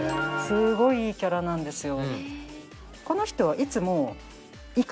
すごいいいキャラなんですよ。